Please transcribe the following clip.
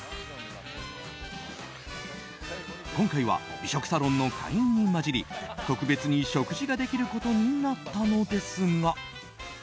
今回は美食サロンの会員に交じり特別に食事ができることになったのですが。